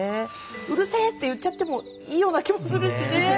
うるせえ！って言っちゃってもいいような気もするしね。